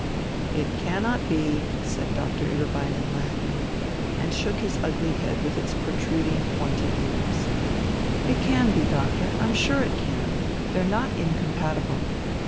"It cannot be," said Doctor Ueberbein in Latin, and shook his ugly head with its protruding, pointed ears. "It can be, Doctor. I'm sure it can, they're not incompatible.